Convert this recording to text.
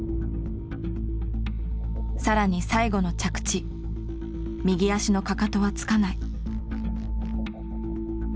更に最後の着地右足のかかとはつかない。